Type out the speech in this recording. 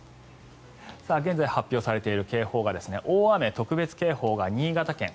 現在、発表されている警報が大雨特別警報が新潟県。